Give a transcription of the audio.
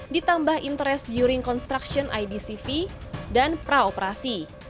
ditambah interest juring construction idcv dan praoperasi